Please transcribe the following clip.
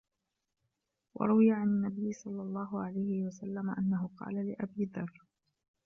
وَرُوِيَ عَنْ النَّبِيِّ صَلَّى اللَّهُ عَلَيْهِ وَسَلَّمَ أَنَّهُ قَالَ لِأَبِي ذَرٍّ